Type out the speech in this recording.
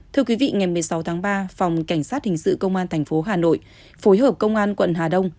thưa quý vị ngày một mươi sáu tháng ba phòng cảnh sát hình sự công an tp hà nội phối hợp công an quận hà đông